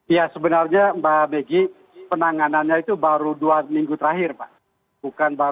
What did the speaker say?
ya sebenarnya mbak begi penanganannya itu baru dua minggu terakhir pak